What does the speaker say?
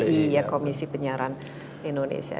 di indonesia di indonesia